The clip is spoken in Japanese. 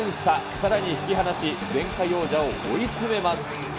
さらに引き離し、前回王者を追い詰めます。